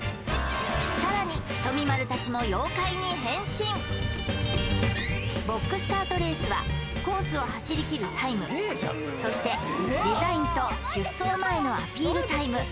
さらにひとみ○たちもボックスカートレースはコースを走りきるタイムそしてデザインと出走前のアピールタイム